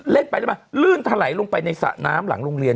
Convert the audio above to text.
เล่นไปได้ไหมลื่นทะไหลลงไปในสระน้ำหลังโรงเรียน